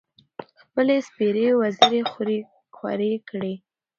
خپـلې سپـېرې وزرې خـورې کـړې.